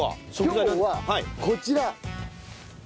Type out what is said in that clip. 今日はこちら。